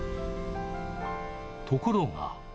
ところが。